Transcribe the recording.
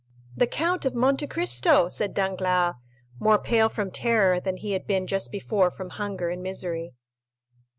"The Count of Monte Cristo!" said Danglars, more pale from terror than he had been just before from hunger and misery.